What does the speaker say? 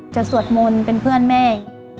สวดมนต์เป็นเพื่อนแม่